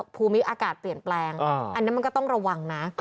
ภูมิอากาศเปลี่ยนแปลงอันนี้มันก็ต้องระวังนะ